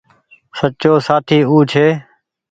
سچو سآٿي او ڇي